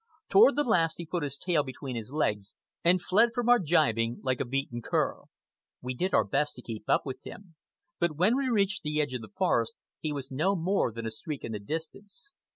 Toward the last he put his tail between his legs and fled from our gibing like a beaten cur. We did our best to keep up with him; but when we reached the edge of the forest he was no more than a streak in the distance.